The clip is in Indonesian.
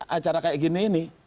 acara kayak gini ini